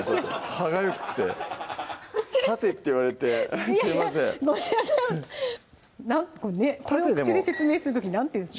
歯がゆくて「縦」って言われていやいやごめんなさいなんかねこれを口で説明する時何て言うんですかね